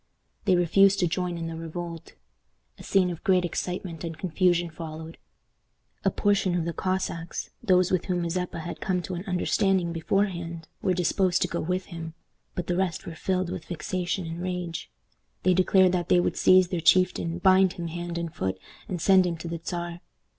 They refused to join in the revolt. A scene of great excitement and confusion followed. A portion of the Cossacks, those with whom Mazeppa had come to an understanding beforehand, were disposed to go with him, but the rest were filled with vexation and rage. They declared that they would seize their chieftain, bind him hand and foot, and send him to the Czar.